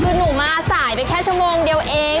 คือหนูมาสายไปแค่ชั่วโมงเดียวเอง